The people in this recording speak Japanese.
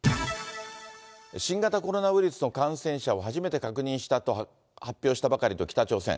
新型コロナウイルスの感染者を初めて確認したと発表したばかりの北朝鮮。